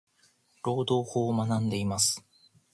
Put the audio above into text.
労働法を学んでいます。。